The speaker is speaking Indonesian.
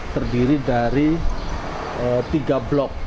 terdiri dari tiga blok